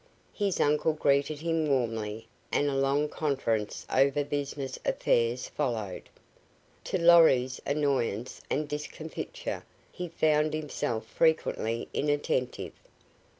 His uncle greeted him warmly and a long conference over business affairs followed. To Lorry's annoyance and discomfiture he found himself frequently inattentive.